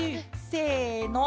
せの！